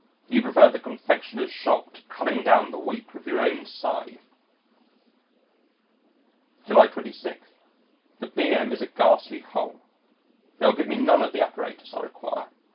You prefer the confectioner's shop to cutting down the wheat with your own scythe." July 26. The B.M. is a ghastly hole. They will give me none of the apparatus I require.